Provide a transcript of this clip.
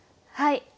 はい。